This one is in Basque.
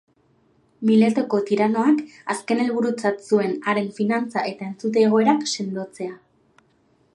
Miletoko tiranoak azken helburutzat zuen haren finantza- eta entzute-egoerak sendotzea.